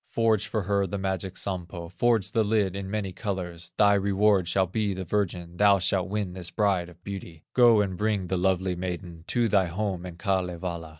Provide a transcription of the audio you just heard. Forge for her the magic Sampo, Forge the lid in many colors, Thy reward shall be the virgin, Thou shalt win this bride of beauty; Go and bring the lovely maiden To thy home in Kalevala."